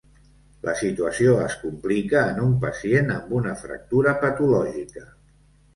La situació es complica en un pacient amb una fractura patològica.